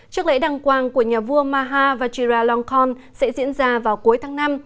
trước lễ đăng quàng của nhà vua maha vajiralongkorn sẽ diễn ra vào cuối tháng năm